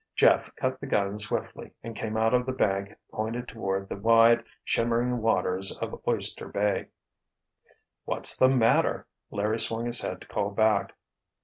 Jeff cut the gun swiftly, and came out of the bank pointed toward the wide, shimmering waters of Oyster Bay. "What's the matter?" Larry swung his head to call back.